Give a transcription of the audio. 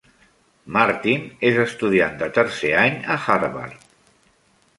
Martin és estudiant de tercer any a Harvard.